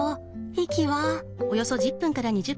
息は？